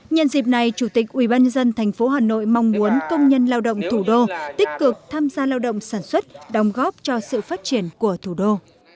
nhân dịp này chủ tịch ubnd tp hà nội mong muốn công nhân lao động thủ đô tích cực tham gia lao động sản xuất đóng góp cho sự phát triển của thủ đô